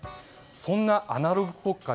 そんなアナログ国家